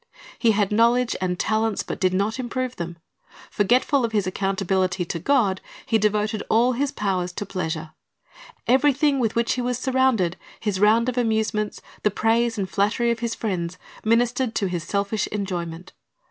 He had knowledge and talents, but did not improve them. Forgetful of his accountability to God, he devoted all his powers to pleasure. Everything with which he was surrounded, his round of amusements, the praise and flattery of his friends, ministered to his selfish enjoyment.